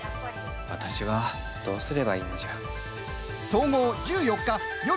私はどうすればいいのじゃ。